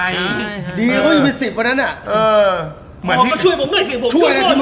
อันนี้กูไม่มีเพื่อนด้วย